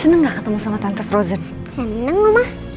enggak lupa kasih